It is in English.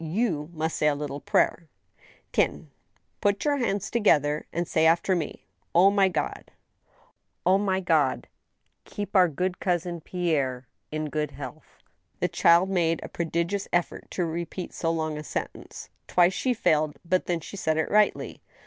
" You must say a little prayer — Hens !— ^put your little hands together, and say after me, O my God—" " O my God—" " Keep our good cousin Pierre in good health." The child made a prodigious effort to repeat so long a sentence ; twice she failed, but then she said it rightly.